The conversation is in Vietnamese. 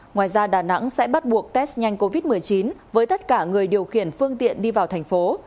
ngoài ra đà nẵng sẽ bắt buộc test nhanh covid một mươi chín với tất cả người điều khiển phương tiện đi vào thành phố